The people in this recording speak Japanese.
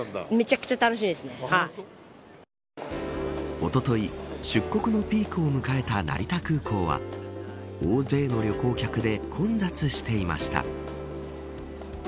おととい出国のピークを迎えた成田空港は大勢の旅行客で混雑していました。